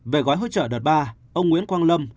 về gói hỗ trợ đợt ba ông nguyễn quang lâm